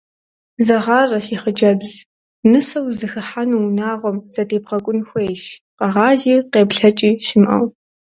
Зэгъащӏэ си хъыджэбз: нысэу узыхыхьэну унагъуэм задебгъэкӏун хуейщ, къэгъази къеплъэкӏи щымыӏэу.